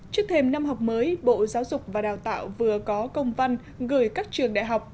trước thêm năm học mới bộ giáo dục và đào tạo vừa có công văn gửi các trường đại học